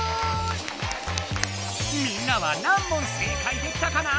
みんなは何問正解できたかな？